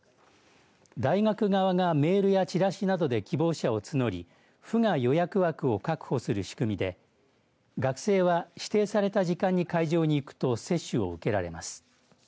大学側がメールやチラシなどで希望者を募り府が予約枠を確保する仕組みで学生は指定された時間に会場に行くと接種を受けられます。